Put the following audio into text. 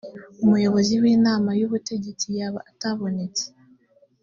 umuyobozi w’inama y’ubutegetsi yaba atabonetse